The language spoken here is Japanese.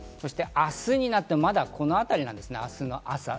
明日になってもまだこの辺りなんですね、明日の朝。